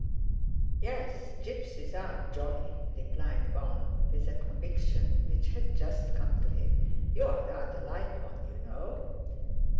"Yes, gipsies are jolly," replied Val, with a conviction which had just come to him; "you're rather like one, you know."